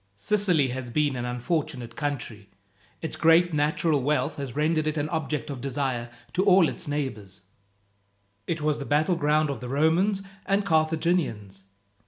"Sicily has been an unfortunate country. Its great natural wealth has rendered it an object of desire, to all its neighbours. It was the battleground of the Romans and Carthaginians.